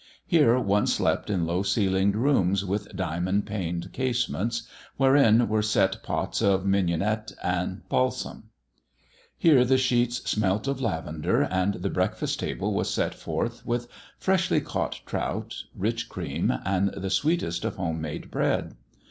Here one slept in low ceilinged rooms, with diamond paned casements, wherein were set pots of mignonette and balsam ; here the sheets smelt of lavender, and the breakfast table was set forth with freshly caught trout, rich cream, and the sweetest of home made bread.